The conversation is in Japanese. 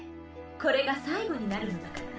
これが最後になるのだから。